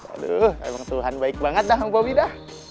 aduh emang tuhan baik banget dah sama bobby dah